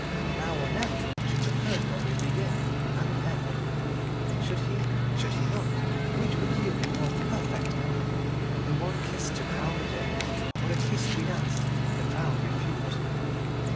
Now or never, should the third volume begin and end. Should he? Should he not? Which would yield the more perfect memory the one kiss to crown the day, or the kiss renounced, the crown refused?